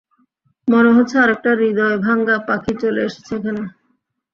মনে হচ্ছে আরেকটা হৃদয়ভাঙ্গা পাখি চলে এসেছে এখানে!